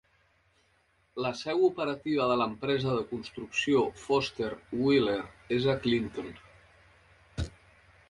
La seu operativa de l'empresa de construcció Foster Wheeler és a Clinton.